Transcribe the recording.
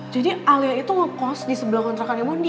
jadi alia itu ngekos di sebelah kontrakannya mondi